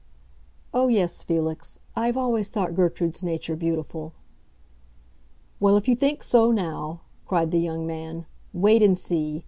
"Oh, yes, Felix; I have always thought Gertrude's nature beautiful." "Well, if you think so now," cried the young man, "wait and see!